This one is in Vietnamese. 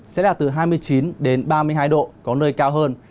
sẽ là từ hai mươi chín đến ba mươi hai độ có nơi cao hơn